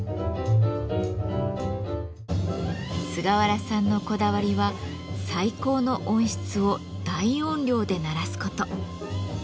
菅原さんのこだわりは最高の音質を大音量で鳴らすこと。